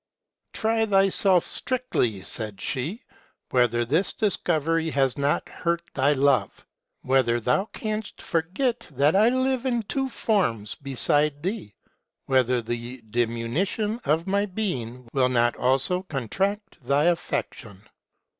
" 'Try thyself strictly,' said she, 'whether this discovery has not hurt thy love ; whether thou canst forget that I live in two forms beside thee ; whether the diminution of my being will not also contract thy affection.'